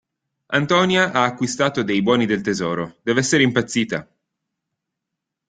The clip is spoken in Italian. Antonia ha acquistato dei buoni del tesoro, dev'essere impazzita.